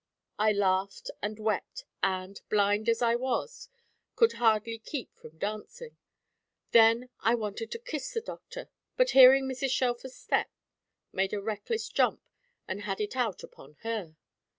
I laughed, and wept, and, blind as I was, could hardly keep from dancing. Then I wanted to kiss the Doctor, but hearing Mrs. Shelfer's step, made a reckless jump and had it out upon her.